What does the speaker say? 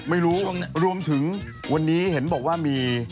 ไม่รู้รวมถึงวันนี้เห็นบอกว่ามี